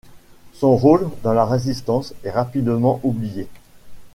Son rôle dans la Résistance est rapidement oublié.